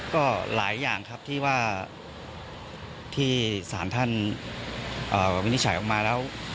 ก็หลายอย่างครับที่ว่าที่สารท่านวินิจฉัยออกมาแล้ว